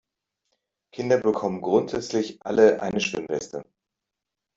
Kinder bekommen grundsätzlich alle eine Schwimmweste.